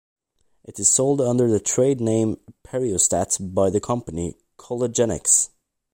It is sold under the trade name Periostat by the company CollaGenex.